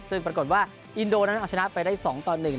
ซึ่งปรากฏว่าอินโดนั้นเอาชนะไปได้สองตอนหนึ่ง